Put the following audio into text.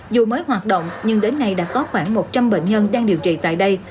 dù mới hoạt động nhưng đến nay đã có khoảng một trăm linh bệnh nhân đang điều trị tại đây